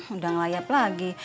udah ngelayap lagi